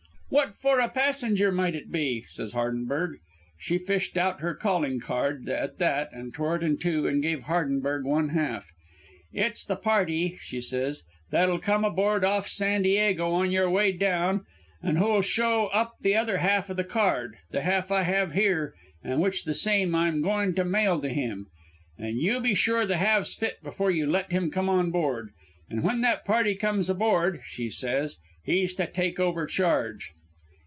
"'What for a passenger might it be?' says Hardenberg. "She fished out her calling card at that and tore it in two an' gave Hardenberg one half. "'It's the party,' she says, 'that'll come aboard off San Diego on your way down an' who will show up the other half o' the card the half I have here an' which the same I'm goin' to mail to him. An' you be sure the halves fit before you let him come aboard. An' when that party comes aboard,' she says, 'he's to take over charge.'